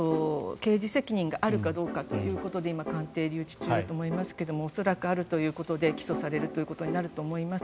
刑事責任があるかということで今、鑑定留置中ですが恐らくあるということで起訴されるということになると思います。